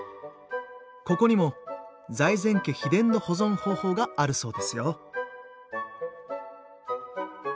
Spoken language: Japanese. ここにも財前家秘伝の保存方法があるそうですよ。